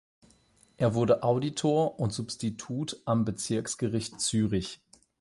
Er wurde Auditor und Substitut am Bezirksgericht Zürich.